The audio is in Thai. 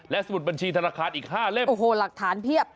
สมุดบัญชีธนาคารอีก๕เล่มโอ้โหหลักฐานเพียบ